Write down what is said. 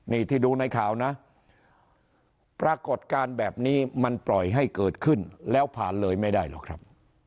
นี่ที่ดูในข่าวนะปรากฏการณ์แบบนี้มันปล่อยให้เกิดขึ้นแล้วผ่านเลยไม่ได้หรอกครับ